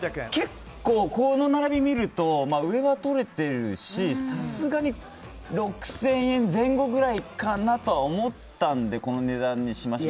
結構この並びを見ると上は取れてるしさすがに６０００円前後くらいかなと思ったのでこの値段にしました。